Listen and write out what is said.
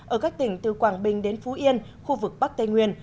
ở các tỉnh từ quảng bình đến phú yên khu vực bắc tây nguyên